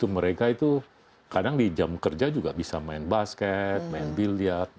mereka itu kadang di jam kerja juga bisa main basket main billiat